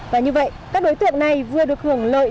và như vậy các đối tượng này vừa được hưởng lợi